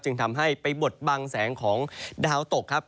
ทำให้ไปบดบังแสงของดาวตกครับ